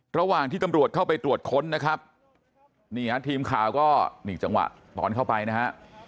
ระหว่างที่ตำรวจเข้าไปตรวจค้นนะครับนี่ฮะทีมข่าวก็นี่จังหวะตอนเข้าไปนะฮะ